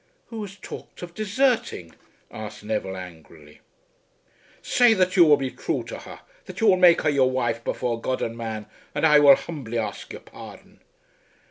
"Who has talked of deserting?" asked Neville angrily. "Say that you will be true to her, that you will make her your wife before God and man, and I will humbly ask your pardon."